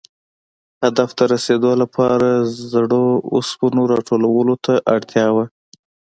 هدف ته رسېدو لپاره زړو اوسپنو را ټولولو ته اړتیا وه.